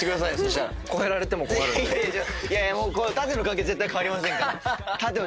縦は絶対変わりませんから。